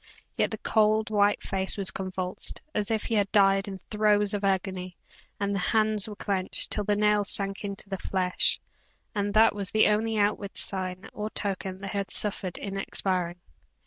Yet the cold, white face was convulsed, as if he had died in throes of agony, the hands were clenched, till the nails sank into the flesh; and that was the only outward sign or token that he had suffered in expiring.